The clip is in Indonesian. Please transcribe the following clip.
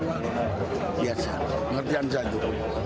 biasa pengertian saja